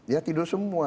ya tidur semua